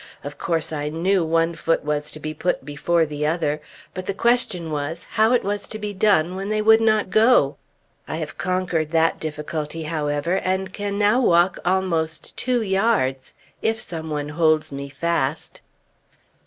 Of course, I knew one foot was to be put before the other; but the question was how it was to be done when they would not go? I have conquered that difficulty, however, and can now walk almost two yards, if some one holds me fast.